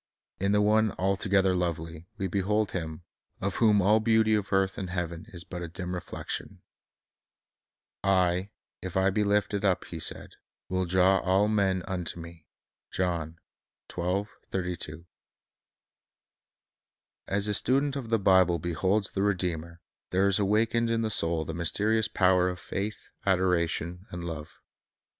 In the One "altogether lovely" we behold Him, of whom all beauty of earth and heaven is but a dim reflection. "I, if I Result* of ,' study be lifted up," He said, "will draw all men unto Me."' As the student of the Bible beholds the Redeemer, there is awakened in the soul the mysterious power of faith, adoration, and love.